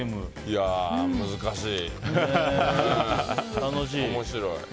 いやー、難しい。